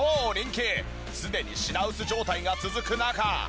常に品薄状態が続く中